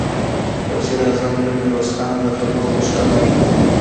وزير اعظم له ميرويس خانه د خبرو غوښتنه وکړه.